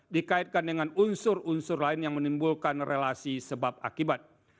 dikaitkan dengan unsur unsur lain yang menimbulkan relasi sebab akibat